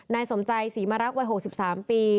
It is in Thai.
นายสมใจศรีมรักวัย๖๓ปี